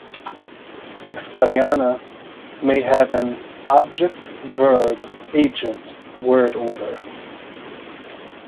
Hixkaryana may have an object-verb-agent word order.